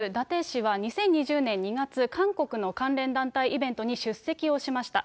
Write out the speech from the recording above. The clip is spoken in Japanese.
まず、伊達氏は２０２０年２月、韓国の関連団体イベントに出席をしました。